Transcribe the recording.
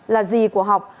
là dì của học